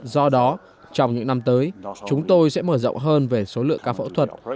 do đó trong những năm tới chúng tôi sẽ mở rộng hơn về số lượng ca phẫu thuật